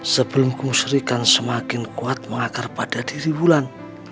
sebelum kumusrikan semakin kuat mengakar pada diri wulan